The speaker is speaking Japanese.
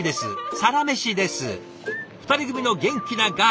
２人組の元気な画伯。